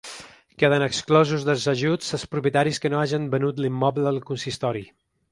Queden exclosos dels ajuts els propietaris que no hagen venut l’immoble al consistori.